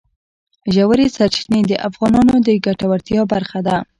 ژورې سرچینې د افغانانو د ګټورتیا برخه ده.